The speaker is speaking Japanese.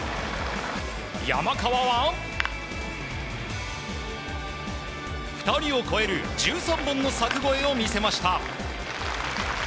山川は、２人を超える１３本の柵越えを見せました。